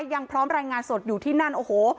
ยังพร้อมรายงานสดอยู่ที่นั่นโอ้โห